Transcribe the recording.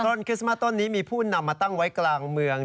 นครคริสต์มาต้นนี้มีผู้นำมาตั้งไว้กลางเมือง